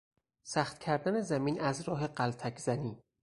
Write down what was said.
سخت کردن زمین از راه غلتک زنی